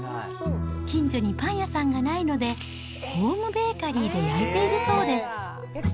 近所にパン屋さんがないので、ホームベーカリーで焼いているそうです。